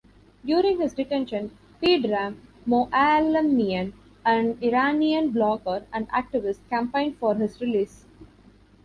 During his detention Pedram Moallemian, an Iranian blogger and activist, campaigned for his release.